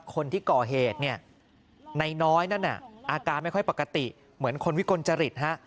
คนที่ก่อเหตุเนี่ยนายน้อยนั่นน่ะอาการไม่ค่อยปกติเหมือนคนวิกลจริตฮะ